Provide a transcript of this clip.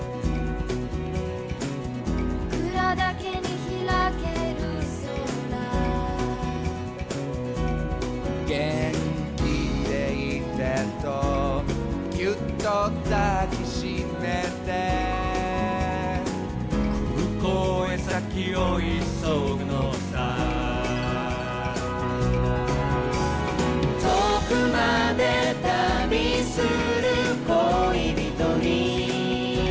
「ぼくらだけにひらける空」「『元気でいて』とギュッと抱きしめて」「空港へ先を急ぐのさ」「遠くまで旅する恋人に」